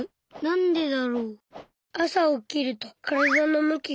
なんでだろう？